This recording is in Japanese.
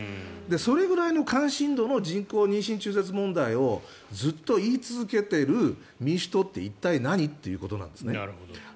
それぐらいの関心度の人工妊娠中絶問題をずっと言い続けている民主党って一体何ということなんです。